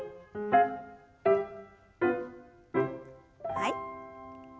はい。